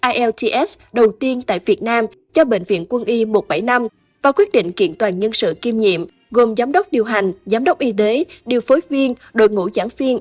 ielts đầu tiên tại việt nam cho bệnh viện quân y một trăm bảy mươi năm và quyết định kiện toàn nhân sự kiêm nhiệm gồm giám đốc điều hành giám đốc y tế điều phối viên đội ngũ giảng viên